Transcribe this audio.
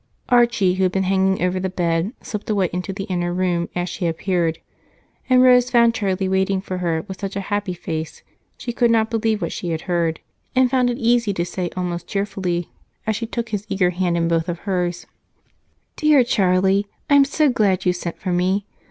Archie, who had been hanging over the bed, slipped away into the inner room as she appeared, and Rose found Charlie waiting for her with such a happy face, she could not believe what she had heard and found it easy to say almost cheerfully as she took his eager hand in both of hers: "Dear Charlie, I'm so glad you sent for me.